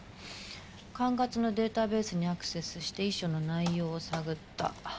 管轄のデータベースにアクセスして遺書の内容を探った。